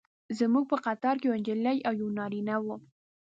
زموږ په قطار کې یوه نجلۍ او یو نارینه و.